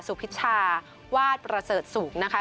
สุพิชาวาสประเสริฐสูงนะคะ